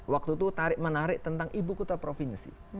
waktu itu tarik menarik tentang ibu kota provinsi